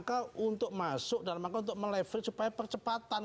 mereka merangkau untuk masuk dan untuk meleverage supaya percepatan